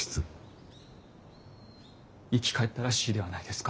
生き返ったらしいではないですか。